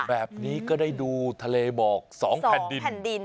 แบบนี้ก็ได้ดูทะเลหมอกสองแผ่นดิน